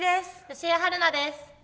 吉江晴菜です。